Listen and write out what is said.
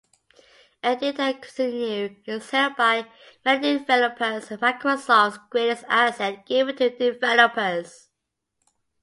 Edit-and-continue is held by many developers as Microsoft's greatest asset given to developers.